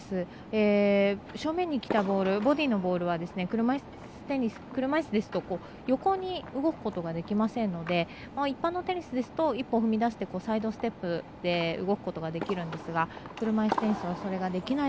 正面に来たボールボディーのボールは車いすですと横に動くことができませんので一般のテニスですと１歩踏み出してサイドステップで動くことができるんですが車いすテニスはそれができない